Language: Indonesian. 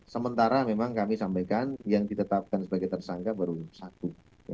sementara memang kami sampaikan yang ditetapkan sebagai tersangka baru satu